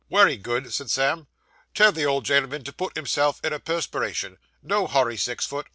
'Wery good,' said Sam. 'Tell the old gen'l'm'n not to put himself in a perspiration. No hurry, six foot.